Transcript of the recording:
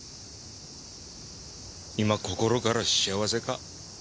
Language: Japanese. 今心から幸せか？